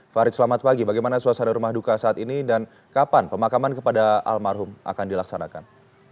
farid selamat pagi bagaimana suasana rumah duka saat ini dan kapan pemakaman kepada almarhum akan dilaksanakan